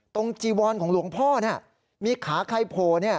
ตรงจีวอนของหลวงพ่อมีขาใครโพ